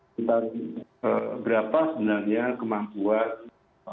tentang berapa sebenarnya kemampuan